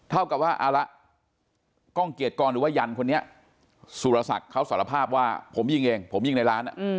เท่ากับว่าเอาละกล้องเกียรติกรหรือว่ายันคนนี้สุรศักดิ์เขาสารภาพว่าผมยิงเองผมยิงในร้าน